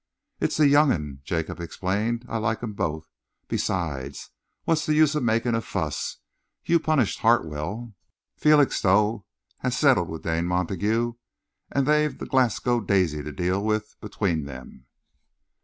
"It's the young 'un," Jacob explained. "I like 'em both. Besides, what's the use of making a fuss? You've punished Hartwell, Felixstowe has settled with Dane Montague, and they've the Glasgow Daisy to deal with between them."